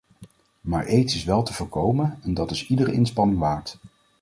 Maar aids is wel te voorkomen en dat is iedere inspanning waard.